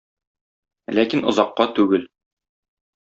Ләкин озакка түгел.